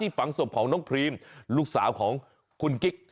ฝังศพของน้องพรีมลูกสาวของคุณกิ๊ก